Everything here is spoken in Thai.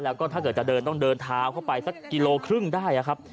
แล้วก็ถ้าเกิดจะเดินต้องเดินเท้าเข้าไปสักกิโลครึ่งได้ครับ